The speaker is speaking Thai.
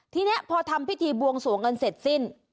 ทีนี้พอทำพิธีบวงสวงกันเสร็จสิ้น